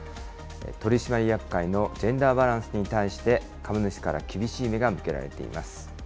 取締役会のジェンダーバランスについて、株主から厳しい目が向けられています。